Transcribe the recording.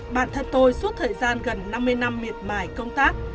bản thân tôi suốt thời gian gần năm mươi năm miệt mài công tác